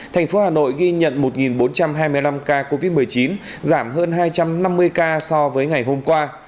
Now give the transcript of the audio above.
thành phố hà nội ghi nhận một bốn trăm hai mươi năm ca covid một mươi chín giảm hơn hai trăm năm mươi ca so với ngày hôm qua